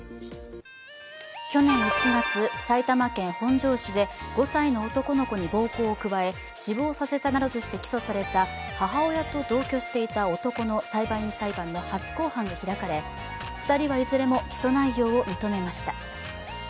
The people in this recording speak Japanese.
去年１月、埼玉県本庄市で５歳の男の子に暴行を加え死亡させたなどとして起訴された母親と同居していた男の裁判員裁判の初公判が開かれ２人はいずれも起訴内容を認めました。